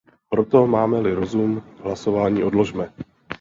Proto, máme-li rozum, hlasování odložme.